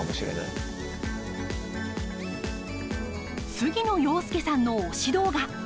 杉野遥亮さんの推し動画。